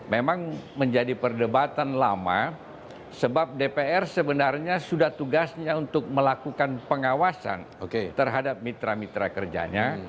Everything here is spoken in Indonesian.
memang menjadi perdebatan lama sebab dpr sebenarnya sudah tugasnya untuk melakukan pengawasan terhadap mitra mitra kerjanya